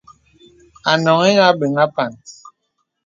À noŋhī nīə àbéŋ àpān.